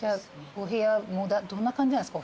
どんな感じなんですか？